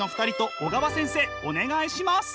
お願いします！